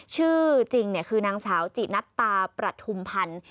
ชื่อจริงคือนางสาวจินัตตาประทุมพันธ์